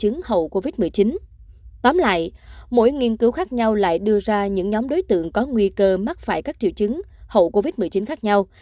nhiều nghiên cứu khác nhau lại đưa ra những nhóm đối tượng có nguy cơ mắc phải các triệu chứng hậu covid một mươi chín khác nhau